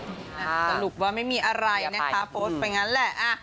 สรุปว่าไม่มีอะไรนะคะโพสต์ไปงั้นแหละ